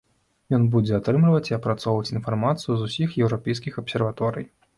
Ён будзе атрымліваць і апрацоўваць інфармацыю з усіх еўрапейскіх абсерваторый.